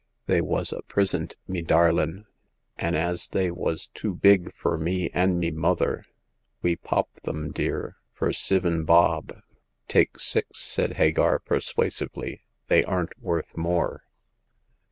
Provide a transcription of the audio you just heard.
They wos a prisint, me darlin' ; an' as they wos too big fur me an" me mother, we pop them, dear, fur sivin bob." Take six," said Hagar, persuasively ; "they aren't worth more."